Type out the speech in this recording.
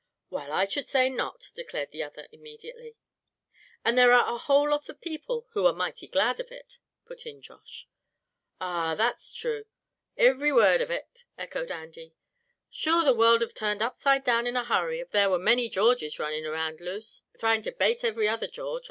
"Well, I should say not," declared the other, immediately. "And there are a whole lot of people who are mighty glad of it," put in Josh. "Arrah! that's thrue, ivery word av it," echoed Andy. "Sure the world'd be turned upside down in a hurry, av there were many Georges runnin' around loose, thryin' to bate ivery other George.